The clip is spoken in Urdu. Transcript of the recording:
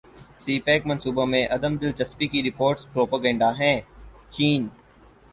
سی پیک منصوبوں میں عدم دلچسپی کی رپورٹس پروپیگنڈا ہیں چین